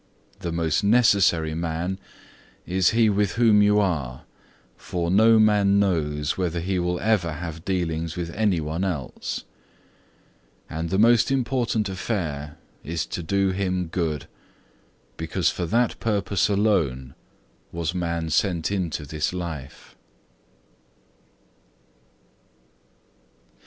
The most necessary man is he with whom you are, for no man knows whether he will ever have dealings with any one else: and the most important affair is, to do him good, because for that purpose alone was man sent into this life!"